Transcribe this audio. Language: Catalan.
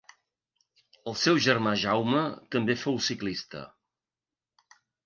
El seu germà Jaume també fou ciclista.